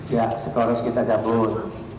ya seharusnya kita cabut